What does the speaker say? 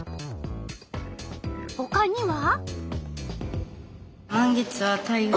ほかには？